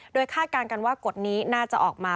โดยคาดการณ์กันว่ากฎนี้น่าจะออกมา